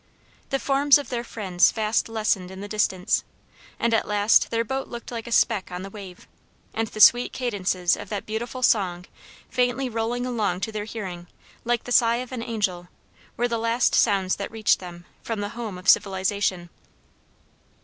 The forms of their friends fast lessened in the distance, and at last their boat looked like a speck on the wave, and the sweet cadences of that beautiful song faintly rolling along to their hearing, like the sigh of an angel, were the last sounds that reached them, from the home of civilization.